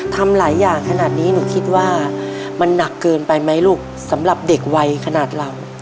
ทำหลายอย่างขนาดนี้หนูคิดว่ามันหนักเกินไปไหมลูกสำหรับเด็กวัยขนาดเรา